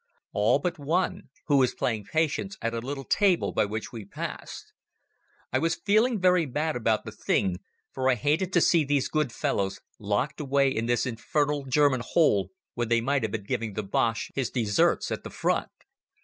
All but one, who was playing Patience at a little table by which we passed. I was feeling very bad about the thing, for I hated to see these good fellows locked away in this infernal German hole when they might have been giving the Boche his deserts at the front.